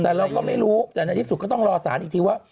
แต่เราก็ไม่รู้แต่ในที่สุดก็ต้องรอสารอีกทีว่า